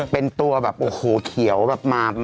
เป็นตัวแบบโอ้โหเขียวแบบมา